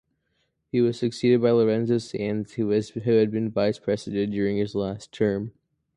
He was succeeded by Lorenzo Sanz, who had been vice-president during his last term.